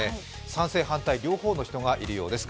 賛成・反対、両方の人がいるようです。